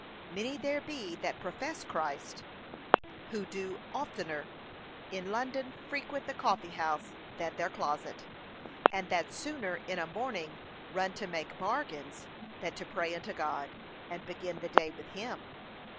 Many there be that profess Christ who do oftener, in London frequent the coffee house than their closet; and that sooner in a morning run to make bargains than to pray unto God, and begin the day with him.